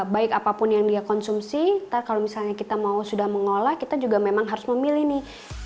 baik apapun yang dia konsumsi kalau misalnya kita mau sudah mengolah kita juga memang harus memilih nih